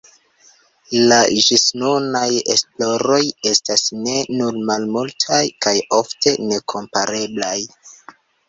La ĝisnunaj esploroj estas ne nur malmultaj kaj ofte nekompareblaj.